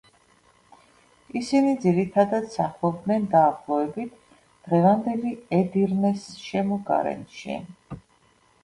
ისინი ძირითადად სახლობდნენ დაახლოებით დღევანდელი ედირნეს შემოგარენში.